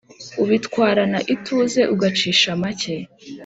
ubitwarana ituze ugacisha make